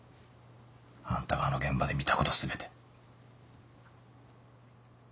あんたがあの現場で見たこと全て。